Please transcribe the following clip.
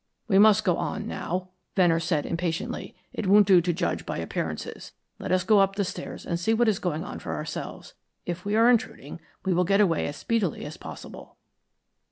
"We must go on now," Venner said, impatiently. "It won't do to judge by appearances. Let us go up the stairs and see what is going on for ourselves. If we are intruding, we will get away as speedily as possible."